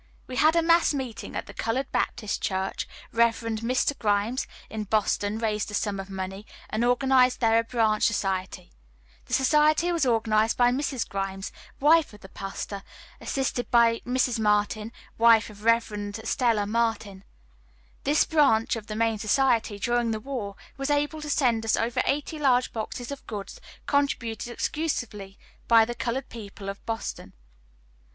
We held a mass meeting at the Colored Baptist Church, Rev. Mr. Grimes, in Boston, raised a sum of money, and organized there a branch society. The society was organized by Mrs. Grimes, wife of the pastor, assisted by Mrs. Martin, wife of Rev. Stella Martin. This branch of the main society, during the war, was able to send us over eighty large boxes of goods, contributed exclusively by the colored people of Boston.